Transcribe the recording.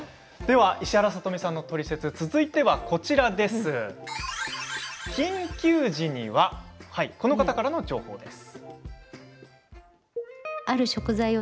石原さとみさんのトリセツ続いては緊急時にはこの方からの情報です。